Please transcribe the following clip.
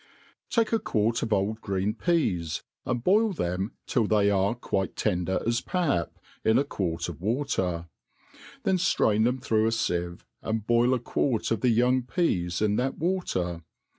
TAKE a quart of old green peas, and boil them till they are quite tender as pap, in a quart of water j^ then ftrain theni through a fieve, and boil a quart of young peas in that water.